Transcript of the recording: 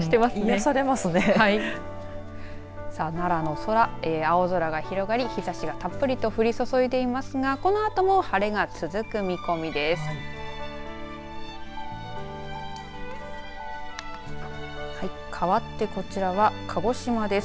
さあ奈良の空青空が広がり日ざしがたっぷりと降り注いでいますが、このあとも晴れが続く見込みです。